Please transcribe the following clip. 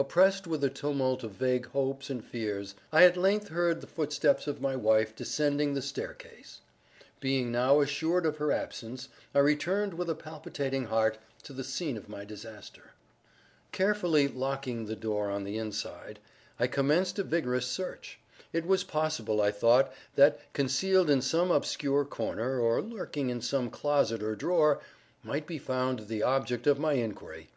Oppressed with a tumult of vague hopes and fears, I at length heard the footsteps of my wife descending the staircase. Being now assured of her absence, I returned with a palpitating heart to the scene of my disaster. Carefully locking the door on the inside, I commenced a vigorous search. It was possible, I thought, that, concealed in some obscure corner, or lurking in some closet or drawer, might be found the lost object of my inquiry.